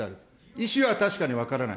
意思は確かに分からない。